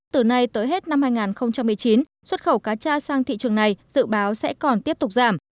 từ nay tới hết năm hai nghìn một mươi chín xuất khẩu cá cha sang thị trường này dự báo sẽ còn tiếp tục giảm